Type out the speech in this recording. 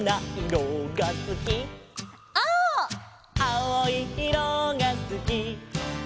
「あおいいろがすき」